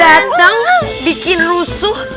datang bikin rusuh